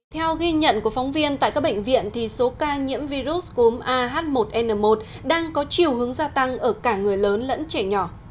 theo ghi nhận của phóng viên tại các bệnh viện thì số ca nhiễm virus cúm ah một n một đang có chiều hướng gia tăng ở cả người lớn lẫn trẻ nhỏ